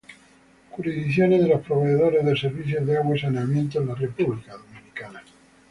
Jurisdicciones de los proveedores de servicios de agua y saneamiento en la República Dominicana.